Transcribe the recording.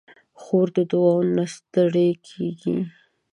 خور د دعاوو نه ستړې کېږي.